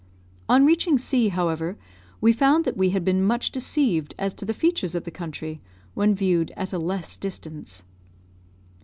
On reaching C , however, we found that we had been much deceived as to the features of the country, when viewed at a less distance.